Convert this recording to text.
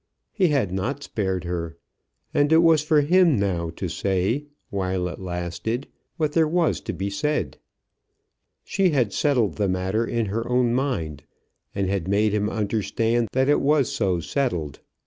He had not spared her, and it was for him now to say, while it lasted, what there was to be said. She had settled the matter in her own mind, and had made him understand that it was so settled.